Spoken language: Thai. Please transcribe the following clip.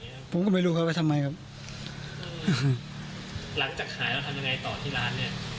อย่างเงี้ยครับผมก็ไม่รู้ครับไปทำไมครับอืมหลังจากหายแล้วทำยังไงต่อที่ร้านเนี้ย